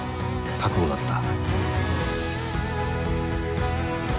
覚悟だった。